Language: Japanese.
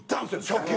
初球。